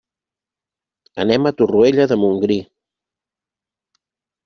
Anem a Torroella de Montgrí.